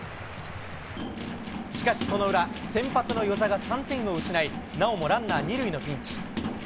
しかし、その裏、先発の與座が３点を失い、なおもランナー２塁のピンチ。